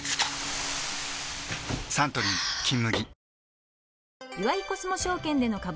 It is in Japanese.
サントリー「金麦」